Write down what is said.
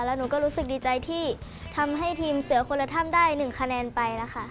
แล้วหนูก็รู้สึกดีใจที่ทำให้ทีมเสือคนละถ้ำได้๑คะแนนไปนะคะ